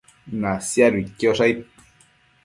Nasiaduidquiosh aid